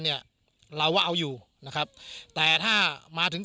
เอาอยู่นะครับแต่ถ้ามาถึง